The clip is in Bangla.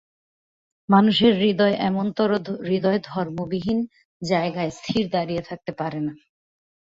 মানুষের হৃদয় এমনতরো হৃদয়ধর্মবিহীন জায়গায় স্থির দাঁড়িয়ে থাকতে পারে না।